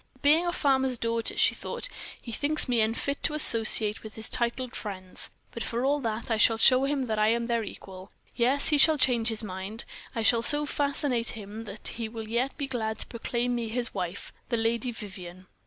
"Being a farmer's daughter," she thought, "he thinks me unfit to associate with his titled friends. But, for all that, I shall show him that I am their equal. Yes, he shall change his mind. I shall so fascinate him that he will yet be glad to proclaim me his wife, the Lady Vivianne."